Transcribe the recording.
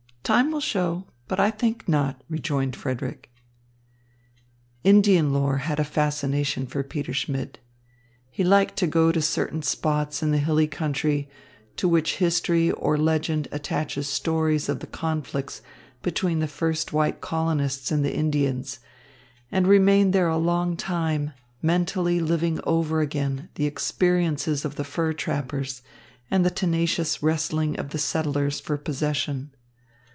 "Time will show, but I think not," rejoined Frederick. Indian lore had a fascination for Peter Schmidt. He liked to go to certain spots in the hilly country to which history or legend attaches stories of the conflicts between the first white colonists and the Indians, and remain there a long time, mentally living over again the experiences of the fur trappers and the tenacious wrestling of the settlers for possession.